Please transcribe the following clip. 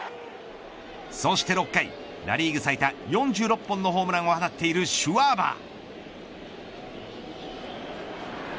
そして６回ナ・リーグ最多４６本のホームランを放っているシュワバー。